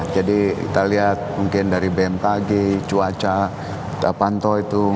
jadi kita lihat mungkin dari bmkg cuaca apanto itu